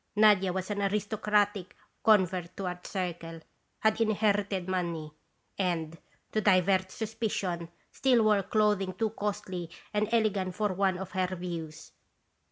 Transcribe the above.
Nadia was an aristocratic convert to our Circle, had inherited money, and, to divert suspicion, still wore clothing too costly and ele gant for one of her views.